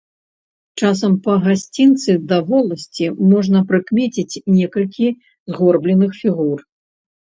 Часам па гасцінцы да воласці можна прыкмеціць некалькі згорбленых фігур.